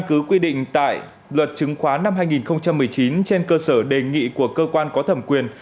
hiện tại luật chứng khoán năm hai nghìn một mươi chín trên cơ sở đề nghị của cơ quan có thẩm quyền